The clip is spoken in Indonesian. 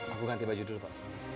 aku ganti baju dulu pak